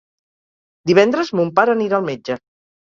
Divendres mon pare anirà al metge.